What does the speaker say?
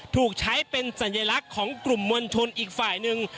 ถูกใช้เป็นสัญลักษณ์ของกลุ่มมวลชนอีกฝ่ายหนึ่ง